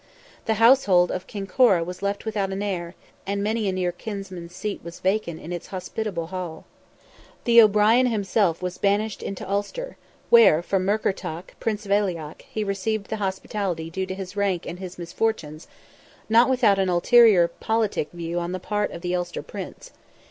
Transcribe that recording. The household of Kinkora was left without an heir, and many a near kinsman's seat was vacant in its hospitable hall. The O'Brien himself was banished into Ulster, where, from Murkertach, Prince of Aileach, he received the hospitality due to his rank and his misfortunes, not without an ulterior politic view on the part of the Ulster Prince.